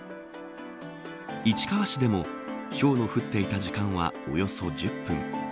市川市でもひょうの降っていた時間はおよそ１０分。